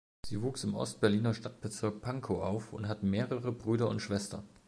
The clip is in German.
Sie wuchs im Ost-Berliner Stadtbezirk Pankow auf und hat mehrere Brüder und Schwestern.